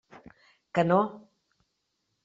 Que no!